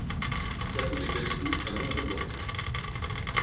Plateau des Gascous à Montauban